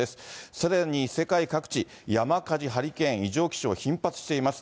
さらに世界各地、山火事、ハリケーン、異常気象、頻発しています。